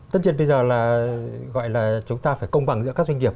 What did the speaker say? tất nhiên bây giờ là gọi là chúng ta phải công bằng giữa các doanh nghiệp